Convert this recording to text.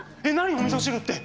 おみそ汁って。